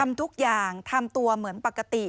ทำทุกอย่างทำตัวเหมือนปกติ